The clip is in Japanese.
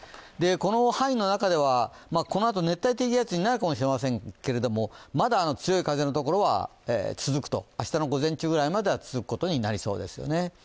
この範囲の中ではこのあと熱帯低気圧になるかもしれませんけれども、まだ強い風のところは続くと、明日の午前中ぐらいまでは続きそうです。